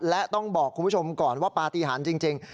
และต้องบอกคุณผู้ชมก่อนว่าปฏิหารจริง